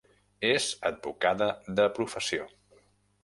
És advocada de professió.